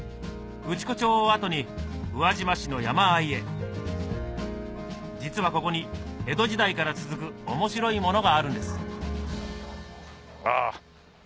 内子町を後に宇和島市の山あいへ実はここに江戸時代から続く面白いものがあるんですあぁ